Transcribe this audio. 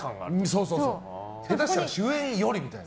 そうそう、下手したら主演よりみたいな。